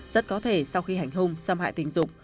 rất có thể sau khi hành hung xâm hại tình dục